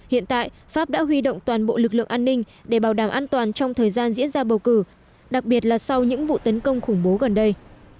hiện tại pháp đã huy động toàn bộ lực lượng an ninh để bảo đảm an toàn trong thời gian diễn ra bầu cử đặc biệt là sau những vụ tấn công khủng bố gần đây